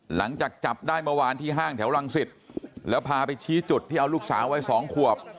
หลังจากจับได้เมื่อวานที่ห้างแถวรังสิตแล้วพาไปชี้จุดที่เอาลูกสาววัยสองขวบ